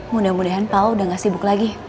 mudah mudahan paul udah gak sibuk lagi